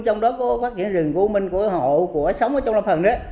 trong đó có phát triển rừng của u minh của hộ của sống trong lâm hần đó